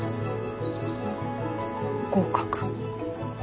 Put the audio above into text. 合格。